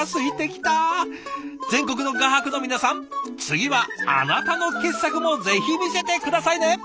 全国の画伯の皆さん次はあなたの傑作もぜひ見せて下さいね！